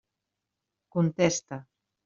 Contesta.